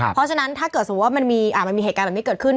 เพราะฉะนั้นถ้าเกิดสมมุติว่ามันมีเหตุการณ์แบบนี้เกิดขึ้น